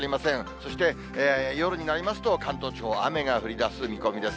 そして夜になりますと、関東地方、雨が降りだす見込みです。